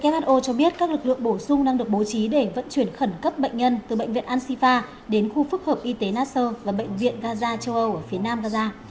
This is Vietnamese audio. who cho biết các lực lượng bổ sung đang được bố trí để vận chuyển khẩn cấp bệnh nhân từ bệnh viện ansifa đến khu phức hợp y tế nasser và bệnh viện gaza châu âu ở phía nam gaza